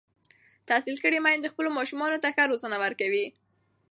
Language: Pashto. تحصیل کړې میندې خپلو ماشومانو ته ښه روزنه ورکوي.